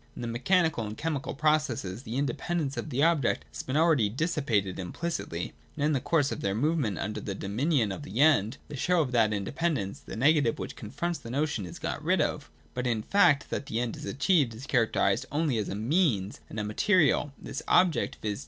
In the mechani cal and chemical processes the independence of the object has been already dissipated implicitly, and in the course of their movement under the dominion of the End, the show of that independence, the negative which confronts the notion, is got rid of But in the fact that the End achieved is characterised only as a Means and a material, this object, viz.